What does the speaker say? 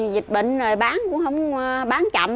dịch bệnh rồi bán cũng không bán chậm